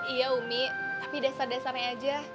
iya umi tapi dasar dasarnya aja